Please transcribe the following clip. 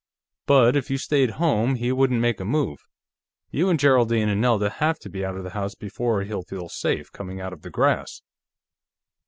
But if you stayed home, he wouldn't make a move. You and Geraldine and Nelda have to be out of the house before he'll feel safe coming out of the grass."